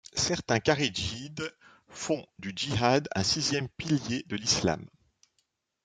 Certains kharidjites font du djihad un sixième pilier de l'islam.